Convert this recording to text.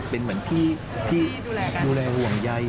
เป็นเหมือนพี่ที่ดูแลห่วงใย